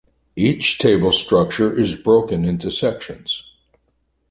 Each table structure is broken into sections.